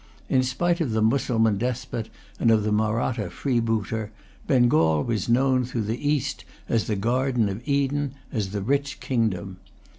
In spite of the Mussulman despot and of the Mahratta freebooter, Bengal was known through the East as the garden of Eden, as the rich kingdom.